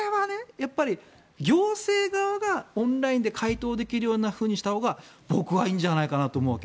やっぱり行政側がオンラインで回答できるようにしたほうが僕はいいんじゃないかなと思うわけ。